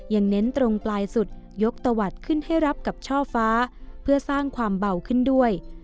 เน้นตรงปลายสุดยกตะวัดขึ้นให้รับกับช่อฟ้าเพื่อสร้างความเบาขึ้นด้วย